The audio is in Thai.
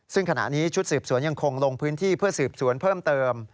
ซึ่งขณะนี้ชุดสืบสวนยังคงลงพื้นที่เพื่อสืบสวนเพิ่มเติม